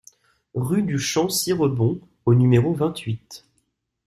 Rue du Champ Sirebon au numéro vingt-huit